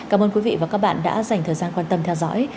cảm ơn quý vị và các bạn đã dành thời gian quan tâm theo dõi